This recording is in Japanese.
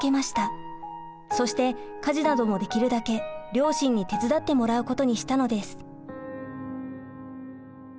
そして家事などもできるだけ両親に手伝ってもらうことにしたのです。